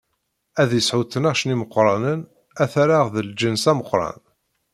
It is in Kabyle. Ad d-isɛu tnac n imeqranen, ad t-rreɣ d lǧens ameqran.